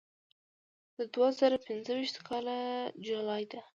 د دوه زره پنځه ویشتم کال جولای ده.